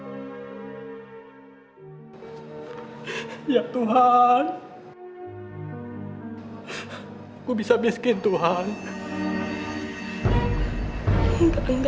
apa yang kau inginkan ocen fazer zalim zodohah syukur dan gadisiténganmu